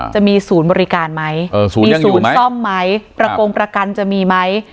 จะมีศูนย์บริการไหมมีศูนย์ซ่อมไหมประกงประกันจะมีไหม